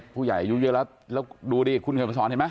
ผู้ใหญ่อายุเยอะแล้วแล้วดูดิคุณเขียนมาสอนเห็นไหม